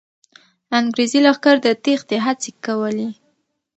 انګریزي لښکر د تېښتې هڅې کولې.